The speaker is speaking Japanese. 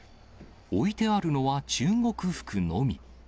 置いてあるのは中国服のみ。